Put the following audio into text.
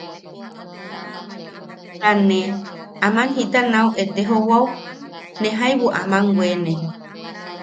Ta ne... aman jita nau etejouwao, ne jaibu aman weene.